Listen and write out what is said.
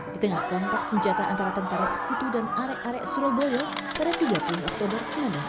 di tengah kontak senjata antara tentara sekutu dan arek arek surabaya pada tiga puluh oktober seribu sembilan ratus empat puluh